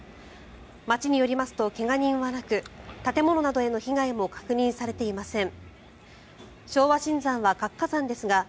町によりますと、怪我人はなく建物などへの被害も確認されていません。